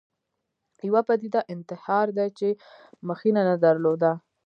یوه پدیده انتحار دی چې مخینه نه درلوده